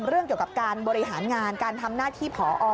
เรื่องเกี่ยวกับการบริหารงานการทำหน้าที่ผอ